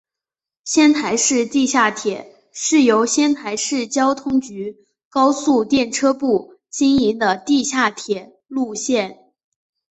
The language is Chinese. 仙台市地下铁是由仙台市交通局高速电车部经营的地下铁路线。